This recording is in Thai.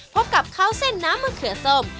พบกับข้าวเส้นน้ำมะเขือส้ม